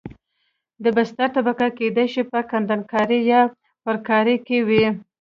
د بستر طبقه کېدای شي په کندنکارۍ یا پرکارۍ کې وي